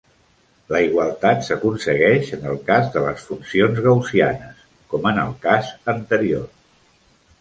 La igualtat s'aconsegueix en el cas de les funcions gaussianes, com en el cas anterior.